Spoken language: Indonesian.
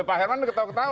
pak herman ketawa ketawa